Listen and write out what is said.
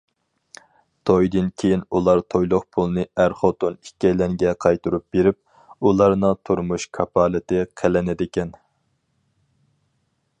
تويدىن كېيىن ئۇلار تويلۇق پۇلنى ئەر- خوتۇن ئىككىيلەنگە قايتۇرۇپ بېرىپ، ئۇلارنىڭ تۇرمۇش كاپالىتى قىلىنىدىكەن.